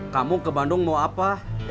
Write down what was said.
kamu ke bandung mau apa